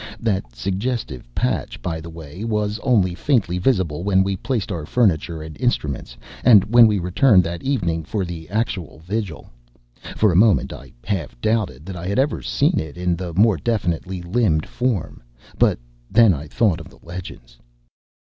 That suggestive patch, by the way, was only faintly visible when we placed our furniture and instruments, and when we returned that evening for the actual vigil. For a moment I half doubted that I had ever seen it in the more definitely limned form but then I thought of the legends.